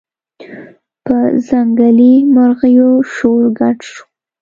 په ځنګلي مرغیو شور ګډ شو